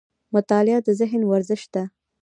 مطالعه د ذهن ورزش دی